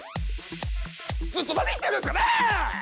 ずっと何言ってるんですかね！